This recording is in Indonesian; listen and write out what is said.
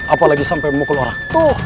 apalagi sampai memukul orang